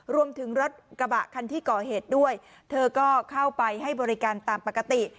รวมถึงรถกระบะคันที่ก่อเหตุด้วยเธอก็เข้าไปให้บริการตามปกติ